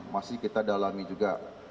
masih kita dalami juga